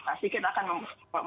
pasti kita akan membuat sayatan